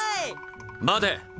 待て！